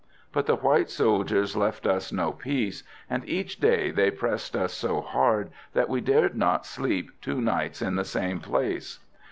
But the white soldiers left us no peace, and each day they pressed us so hard that we dared not sleep two nights in the same place.